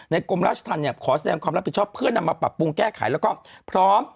กรมราชธรรมเนี่ยขอแสดงความรับผิดชอบเพื่อนำมาปรับปรุงแก้ไขแล้วก็พร้อม